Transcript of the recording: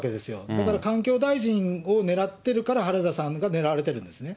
だから環境大臣をねらってるからはらださんが狙われているんですね。